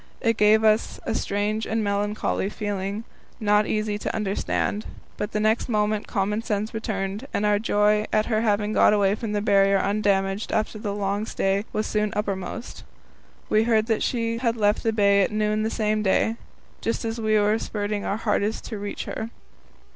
It gave us a strange and melancholy feeling, not easy to understand. But the next moment common sense returned, and our joy at her having got away from the Barrier undamaged after the long stay was soon uppermost. We heard that she had left the bay at noon the same day just as we were spurting our hardest to reach her.